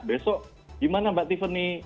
besok gimana mbak tiffany